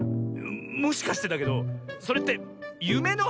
もしかしてだけどそれってゆめのはなしなんじゃないの？